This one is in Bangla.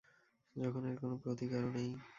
যখন এর কোন প্রতিকারও নেই।